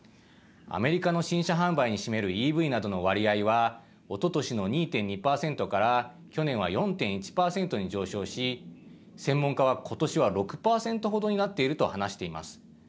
アメリカの新車販売に占めるＥＶなどの割合はおととしの２．２％から去年は４．１％に上昇し専門家は今年は６％程になっていると話しています。